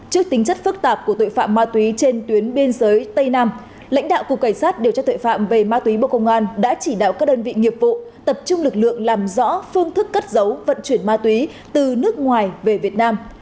trước tính chất phức tạp của tội phạm ma túy trên tuyến biên giới tây nam lãnh đạo cục cảnh sát điều tra tuệ phạm về ma túy bộ công an đã chỉ đạo các đơn vị nghiệp vụ tập trung lực lượng làm rõ phương thức cất giấu vận chuyển ma túy từ nước ngoài về việt nam